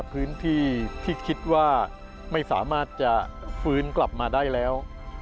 พื้นที่ที่คิดว่าไม่สามารถจะฟื้นกลับมาได้แล้ว